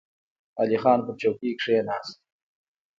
علی خان پر څوکۍ کېناست.